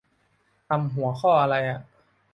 ทำหัวข้อไรอ่ะ